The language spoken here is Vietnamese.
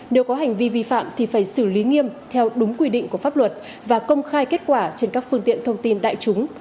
nếu có hành vi vi phạm thì phải xử lý nghiêm theo đúng quy định của pháp luật và công khai kết quả trên các phương tiện thông tin đại chúng